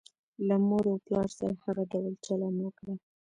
له مور او پلار سره هغه ډول چلند وکړه.